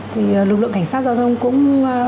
thì lực lượng cảnh sát giao thông cũng